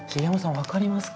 分かりますか？